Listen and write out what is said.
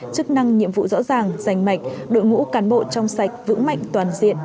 chức năng nhiệm vụ rõ ràng rành mạch đội ngũ cán bộ trong sạch vững mạnh toàn diện